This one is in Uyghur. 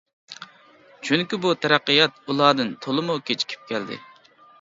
چۈنكى بۇ تەرەققىيات ئۇلاردىن تولىمۇ كېچىكىپ كەلدى.